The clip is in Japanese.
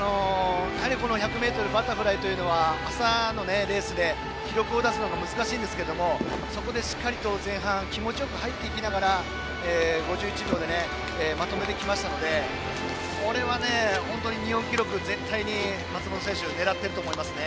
１００ｍバタフライは朝のレースで記録を出すのが難しいんですけどそこでしっかりと前半気持ちよく入っていきながら５１秒でまとめてきましたのでこれは日本記録、絶対に松元選手狙っていると思いますね。